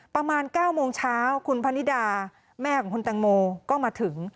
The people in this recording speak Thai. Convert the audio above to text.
ประมาณ๙โมงเช้าคุณพนิดาแม่ของคุณแตงโมก็มาถึง